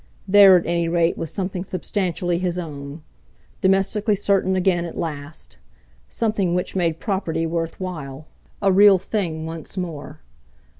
There, at any rate, was something substantially his own, domestically certain again at last; something which made property worth while—a real thing once more.